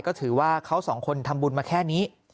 ก็ถือว่าเขาสองคนทำบุญมาแค่นี้